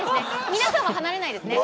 皆さんは離れないですね。